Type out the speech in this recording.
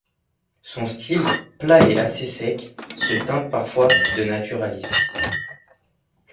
Son style, plat et assez sec, se teinte parfois de naturalisme.